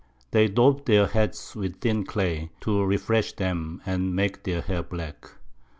They daub their Heads with thin Clay, to refresh them, and make their Hair black.